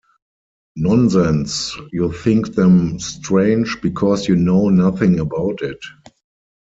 Nonsense; you think them strange, because you know nothing about it.